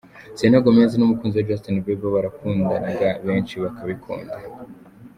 Selena Gomez n'umukunzi we Justin Bieber barakundanaga benshi bakabikunda.